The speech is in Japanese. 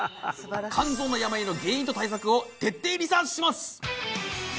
肝臓の病の原因と対策を徹底リサーチします！